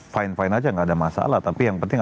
fine fine aja nggak ada masalah tapi yang penting